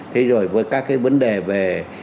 thế rồi với các cái vấn đề về